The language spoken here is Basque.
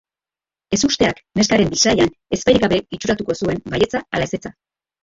Ezusteak neskaren bisaian ezpairik gabe itxuratuko zuen baietza ala ezetza.